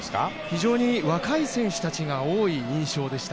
非常に若い選手たちが多い印象でした。